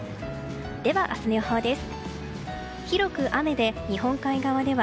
では、明日の予報です。